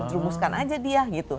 juruskan aja dia gitu